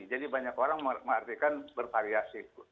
jadi banyak orang mengartikan bervariasi